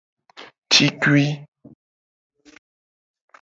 Cikui.